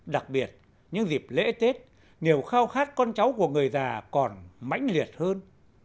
đặc biệt những dịp lễ tết niềm khao khát con cháu của người già còn mãnh liệt hơn